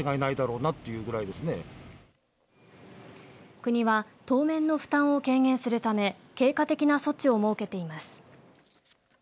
国は当面の負担を軽減するため経過的な措置を設けています。